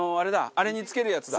あれに付けるやつだ。